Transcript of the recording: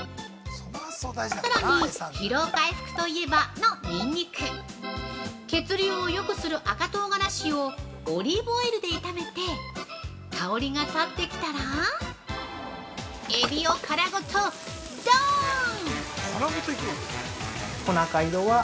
さらに疲労回復といえばのにんにく、血流をよくする赤唐辛子をオリーブオイルで炒めて、香りが立ってきたらエビを殻ごと、ドーン！